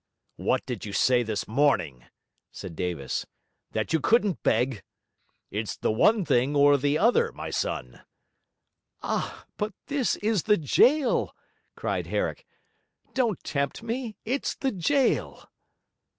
'What did you say this morning?' said Davis. 'That you couldn't beg? It's the one thing or the other, my son.' 'Ah, but this is the jail!' cried Herrick. 'Don't tempt me. It's the jail.'